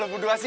lepas itu lagi